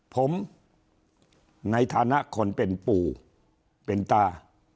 ผมในฐานะคนเป็นปู่เป็นตา